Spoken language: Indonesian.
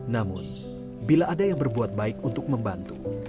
namun bila ada yang berbuat baik untuk membantu